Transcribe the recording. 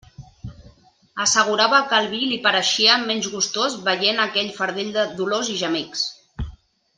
Assegurava que el vi li pareixia menys gustós veient aquell fardell de dolors i gemecs.